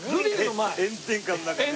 炎天下の中ね。